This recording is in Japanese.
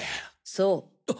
そう。